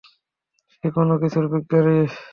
সে কোন কিছুর বিজ্ঞানী।